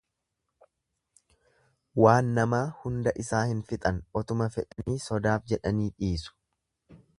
Waan namaa hunda isaa hin fixan otuma fedhanii sodaaf jedhanii dhiisu.